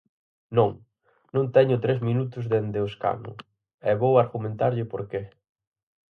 Non, non teño tres minutos dende o escano, e vou argumentarlle por que.